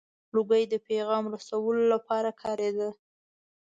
• لوګی د پیغام رسولو لپاره کارېده.